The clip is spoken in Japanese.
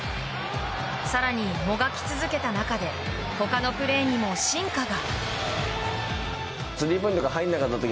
更に、もがき続けた中で他のプレーにも進化が。